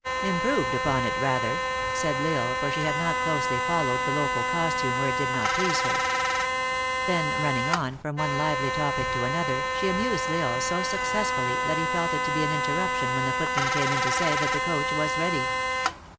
" Improved upon it, rather," said L Isle, for she had not closely followed the local costume where it did not please her. Then running on, from one lively topic to another, she amused L Isle so successfully that he felt it to be an interruption when the footman 856 THE ACTRESS IN HIGH LIFE. came in to say that the coach was ready.